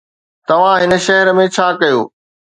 توهان هن شهر ۾ ڇا ڪيو؟